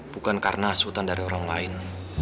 bukan karena sultan dari orang lain